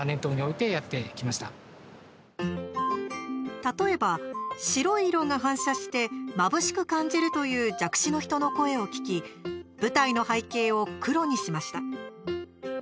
例えば、白い色が反射してまぶしく感じるという弱視の人の声を聞き舞台の背景を黒にしました。